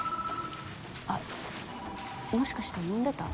あっもしかして呼んでた？